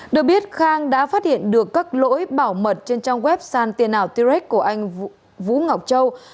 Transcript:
được biết khang đã phát hiện được các lỗi bảo mật trên trong web sàn tiền ảo t rex của anh vũ ngọc châu